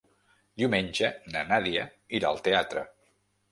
Diumenge na Nàdia irà al teatre.